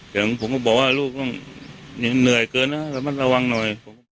แต่ผมก็บอกว่าลูกต้องเหนื่อยเกินนะระมัดระวังหน่อย